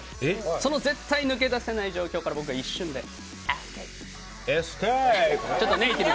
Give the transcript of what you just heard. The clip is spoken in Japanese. その絶対抜け出せない状況から僕、一瞬でエスケープ！